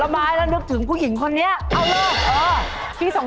เมื่อกี้พูดถึง